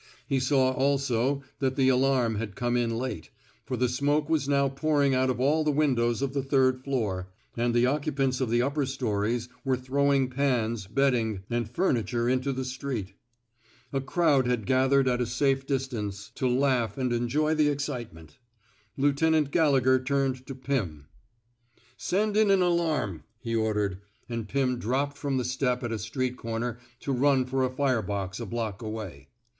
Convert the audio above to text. He saw also that the alarm had come in late, for the smoke was now pouring out of all the windows of the third floor, and the occupants of the upper stories were throwing pans, bedding, and furniture into the street. A crowd had gathered at a safe 182 TRAINING ^* SALLY '* WATEES distance to' laugh and enjoy the excitement. Lieutenant Gallegher turned to Pirn. Send in an alarm,'* he ordered, and Pim dropped from the step at a street corner to run for a fire box a block away.